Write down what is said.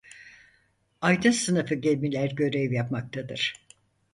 Aydın sınıfı gemiler görev yapmaktadır.